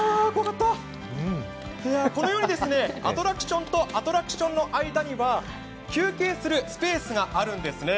このように、アトラクションとアトラクションの間には休憩するスペースがあるんですね。